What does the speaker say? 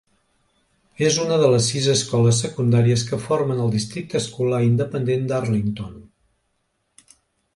És una de les sis escoles secundàries que formen el districte escolar independent d'Arlington.